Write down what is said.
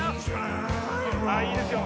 あいいですよ。